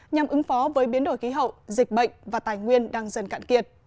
nhằm ứng phó với biến đổi khí hậu dịch bệnh và tài nguyên đang dần cạn kiệt